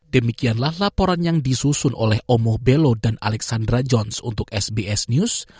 demikianlah laporan yang disusun oleh omo belo dan alexandra jones untuk sbs news